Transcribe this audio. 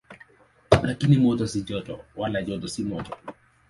Lakini moto si joto, wala joto si moto.